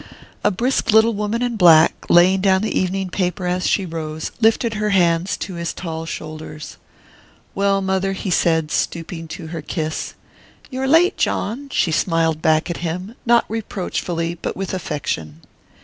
A brisk little woman in black, laying down the evening paper as she rose, lifted her hands to his tall shoulders. "Well, mother," he said, stooping to her kiss. "You're late, John," she smiled back at him, not reproachfully, but with affection.